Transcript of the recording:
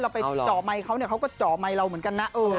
เราไปจ่อไมค์เขาเนี่ยแล้วเขาก็จะจ่อไมค์เราเหมือนกันน่ะ